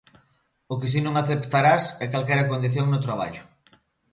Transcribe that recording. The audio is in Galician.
O que si non aceptarás é calquera condición no traballo.